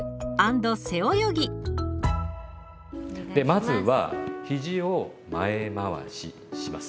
まずはひじを前回しします。